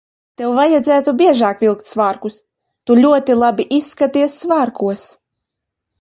Tev vajadzētu biežāk vilkt svārkus. Tu ļoti labi izskaties svārkos.